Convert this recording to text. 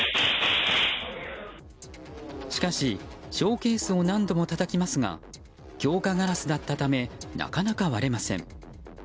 しかし、ショーケースを何度もたたきますが強化ガラスだったためなかなか割れません。